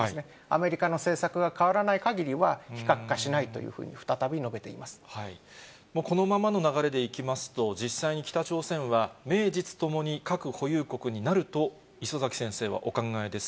アメリカの政策が変わらないかぎりは、非核化しないというふうにこのままの流れでいきますと、実際に北朝鮮は名実ともに核保有国になると礒崎先生はお考えです